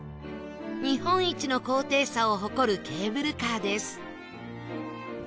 日本一の高低差を誇るケーブルカーです